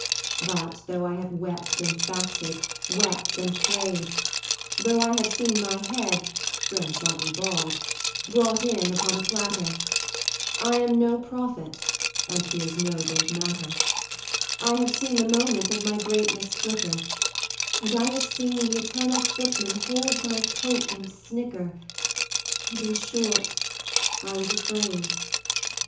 But though I have wept and fasted, wept and prayed, Though I have seen my head (grown slightly bald) brought in upon a platter, I am no prophet and here's no great matter; I have seen the moment of my greatness flicker, And I have seen the eternal Footman hold my coat, and snicker, And in short, I was afraid.